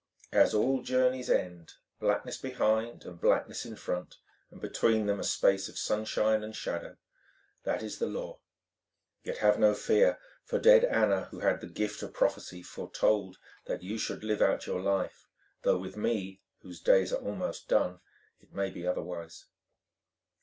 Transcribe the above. "As all journeys end. Blackness behind and blackness in front, and between them a space of sunshine and shadow—that is the law. Yet have no fear, for dead Anna, who had the gift of prophecy, foretold that you should live out your life, though with me, whose days are almost done, it may be otherwise."